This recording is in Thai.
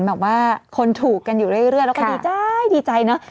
แบบว่าคนถูกกันอยู่เรื่อยแล้วก็ดีใจดีใจเนอะ